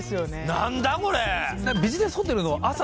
何だこれ！？